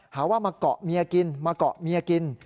หาว่ามาเกาะเมียกินมาเกาะเมียกิน